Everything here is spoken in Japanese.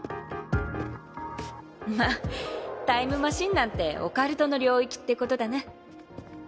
まっタイムマシンなんてオカルトの領うっかりだ。